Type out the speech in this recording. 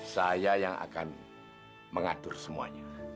saya yang akan mengatur semuanya